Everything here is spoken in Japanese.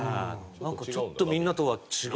なんかちょっとみんなとは違う。